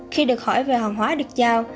khi được hỏi về hàng hóa được giao